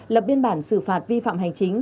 lập biên bản xử phạt vi phạm hành chính